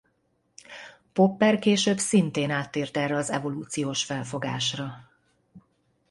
Popper később szintén áttért erre az evolúciós felfogásra.